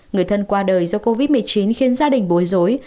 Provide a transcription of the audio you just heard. người thân qua đời do covid một mươi chín khiến gia đình bối rối